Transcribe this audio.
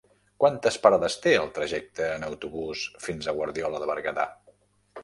Quantes parades té el trajecte en autobús fins a Guardiola de Berguedà?